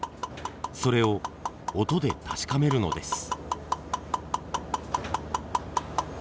それを音で確かめるのです。